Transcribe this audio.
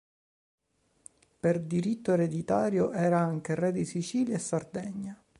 Per diritto ereditario era anche re di Sicilia e Sardegna.